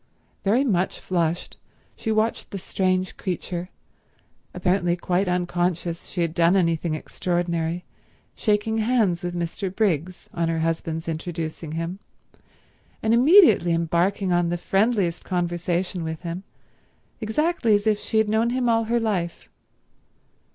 .. Very much flushed, she watched the strange creature, apparently quite unconscious she had done anything extraordinary, shaking hands with Mr. Briggs, on her husband's introducing him, and immediately embarking on the friendliest conversation with him, exactly as if she had known him all her life.